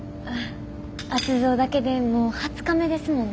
圧造だけでもう２０日目ですもんね。